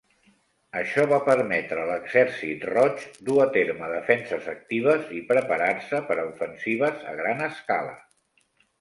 Això va permetre a l'exèrcit roig dur a terme defenses actives i preparar-se per a ofensives a gran escala.